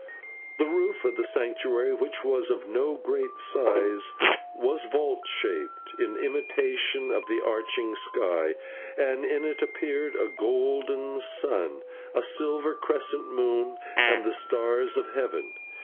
The roof of the Sanctuary, which was of no great size, was vault shaped, in imitation of the arching sky, and in it appeared a golden sun, a silver crescent moon, and the stars of heaven.